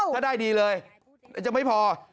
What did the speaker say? ถ้าได้ดีเลยจะไม่พอ